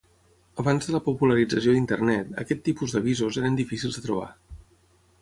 Abans de la popularització d'Internet aquest tipus d'avisos eren difícils de trobar.